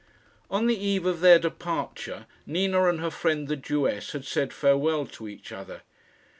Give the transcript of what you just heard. On the eve of their departure, Nina and her friend the Jewess had said farewell to each other.